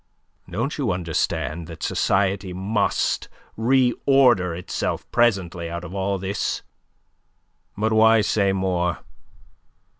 Don't you understand that society must re order itself presently out of all this? "But why say more?